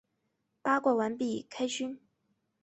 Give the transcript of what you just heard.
八卦完毕，开勋！